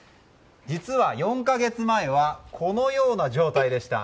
実は４か月前はこのような状態でした。